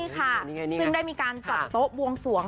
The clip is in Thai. ซึ่งได้มีการจัดโต๊ะบวงสวง